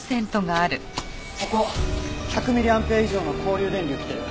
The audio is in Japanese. ここ１００ミリアンペア以上の交流電流来てる。